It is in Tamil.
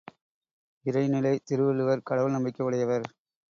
இறைநிலை திருவள்ளுவர் கடவுள் நம்பிக்கை உடையவர்.